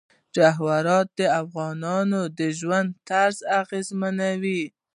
جواهرات د افغانانو د ژوند طرز اغېزمنوي.